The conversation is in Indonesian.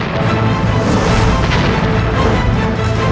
dan aku handalmu